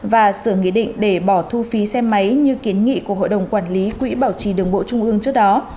và sửa nghị định để bỏ thu phí xe máy như kiến nghị của hội đồng quản lý quỹ bảo trì đường bộ trung ương trước đó